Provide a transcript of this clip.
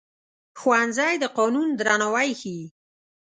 ښوونځی د قانون درناوی ښيي